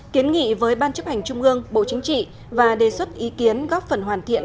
kiến nghị với ban chấp hành trung ương bộ chính trị và đề xuất ý kiến góp phần hoàn thiện